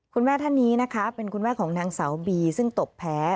คุณแม่ท่านนี้นะคะเป็นคุณแม่ของนางสาวบีซึ่งตบแพ้